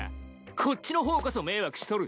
こっちの方こそ迷惑しとる。